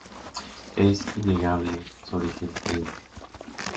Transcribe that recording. Es innegable su origen preinca.